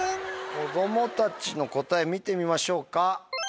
子供たちの答え見てみましょうか。